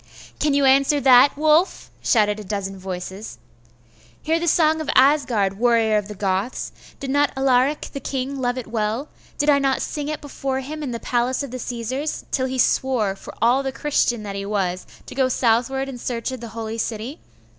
'Can you answer that, Wulf?' shouted a dozen voices. 'Hear the song of Asgard, warriors of the Goths! Did not Alaric the king love it well? Did I not sing it before him in the palace of the Caesars, till he swore, for all the Christian that he was, to go southward in search of the holy city?